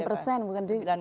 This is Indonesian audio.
sembilan persen bukan